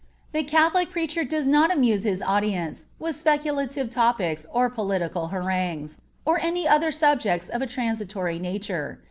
The Catholic preacher does not amuse his audience with speculative topics or political harangues, or any other subjects of a transitory nature.